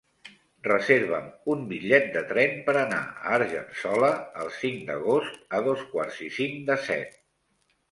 Reserva'm un bitllet de tren per anar a Argençola el cinc d'agost a dos quarts i cinc de set.